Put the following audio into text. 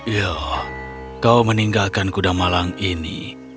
ya kau meninggalkan kuda malang ini